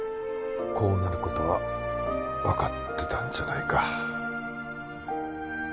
こうなることは分かってたんじゃないか